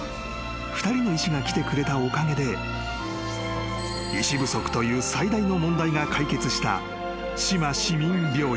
２人の医師が来てくれたおかげで医師不足という最大の問題が解決した志摩市民病院］